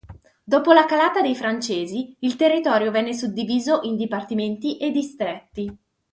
Dopo la calata dei Francesi, il territorio venne suddiviso in Dipartimenti e Distretti.